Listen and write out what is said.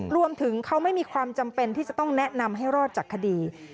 รวมถึงเขาไม่มีความจำเป็นที่จะต้องแนะนำให้รอดจากคดี